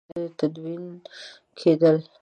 سنتي تفسیرونه تدوین کېدل.